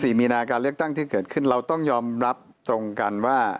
มีนาการเลือกตั้งที่เกิดขึ้นเราต้องยอมรับตรงกันว่า